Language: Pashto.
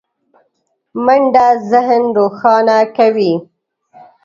منډه ذهن روښانه کوي